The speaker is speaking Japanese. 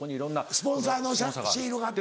スポンサーのシールがあって。